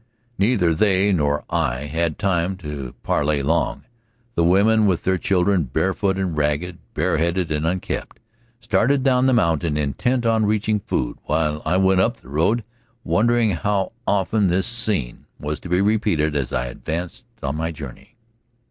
Neither they nor I had time to parley long. The women with their children, barefoot and ragged, bareheaded and unkempt, started down the mountain, intent on reaching food, while I went up the road wondering how often this scene was to be repeated as I advanced on my journey.